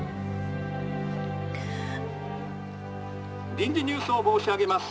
「臨時ニュースを申し上げます。